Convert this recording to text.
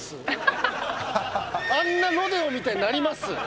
あんなロデオみたいになります？